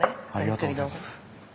ありがとうございます。